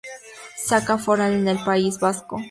Saca foral en el País Vasco."".